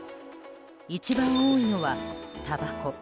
一番多いのは、たばこ。